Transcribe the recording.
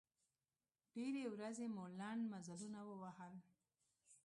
ډېرې ورځې مو لنډ مزلونه ووهل.